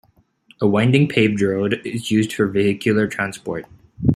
A winding paved road is used for vehicular transport.